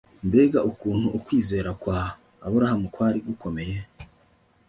mbega ukuntu ukwizera kwa aburahamu kwari gukomeye